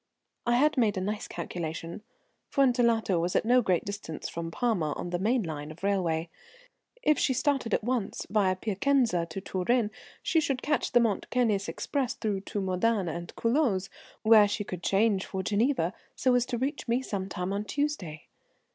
"I had made a nice calculation. Fuentellato was at no great distance from Parma, on the main line of railway. If she started at once, via Piacenza to Turin, she could catch the Mont Cenis express through to Modane and Culoz, where she could change for Geneva, so as to reach me some time on Tuesday.